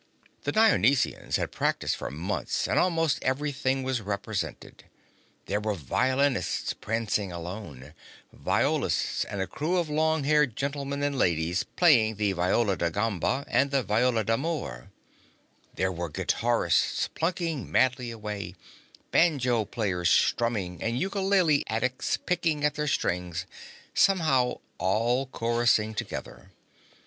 The Dionysians had practiced for months, and almost everything was represented. There were violinists prancing along, violists and a crew of long haired gentlemen and ladies playing the viol da gamba and the viol d'amore; there were guitarists plunking madly away, banjo players strumming and ukelele addicts picking at their strings, somehow all chorusing together.